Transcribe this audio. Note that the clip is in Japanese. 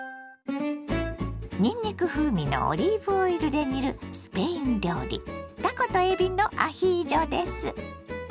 にんにく風味のオリーブオイルで煮るスペイン料理たことえびのアヒージョです。